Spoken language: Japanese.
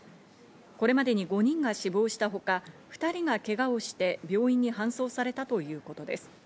これまでに５人が死亡したほか、２人がけがをして病院に搬送されたということです。